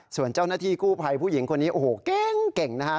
ส่วนเจ้าหน้าที่กู้ภัยผู้หญิงคนนี้โอ้โหเก่งนะฮะ